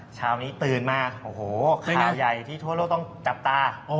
เช้านี้ตื่นมาโอ้โหคือข่าวใหญ่ที่ทั่วโลกต้องจับตา